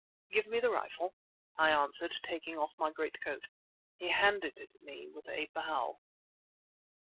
"Give me the rifle," I answered, taking off my greatcoat. He handed it me with a bow.